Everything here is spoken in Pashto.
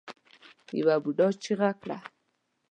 يوه بوډا چيغه کړه.